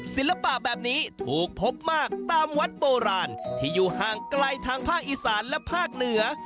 ศิลปะแบบนี้ถูกพบมากตามวัดโบราณที่อยู่ห่างไกลทางภาคอีสานและภาคเหนือ